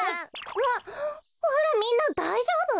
うわっあらみんなだいじょうぶ？